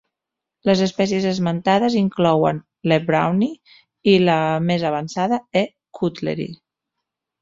Les espècies esmentades inclouen l'E. browni i la més avançada E. cutleri.